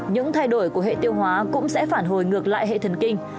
những thay đổi của hệ tiêu hóa cũng sẽ phản hồi ngược lại hệ thần kinh